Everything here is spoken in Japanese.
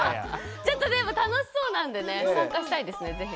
ちょっとでも楽しそうなんでね参加したいですね是非。